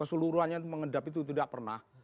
keseluruhan yang mengendap itu tidak pernah